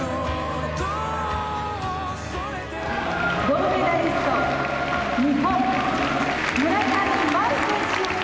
「銅メダリスト日本村上茉愛選手」。